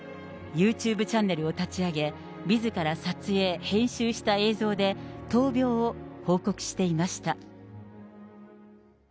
ユーチューブチャンネルを立ち上げ、みずから撮影、編集した映像で、闘病を報告していました。